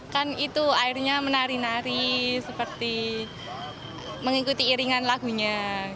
kan itu airnya menari nari seperti mengikuti iringan lagunya